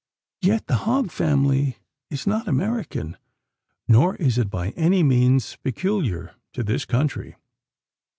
Yet the Hog family is not American, nor is it by any means peculiar to this country.